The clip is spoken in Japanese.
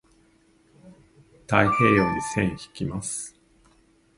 太平洋に線引きます。